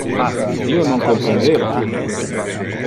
Io non comprendeva.